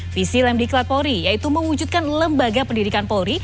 visi lemdiklat polri yaitu mewujudkan lembaga pendidikan polri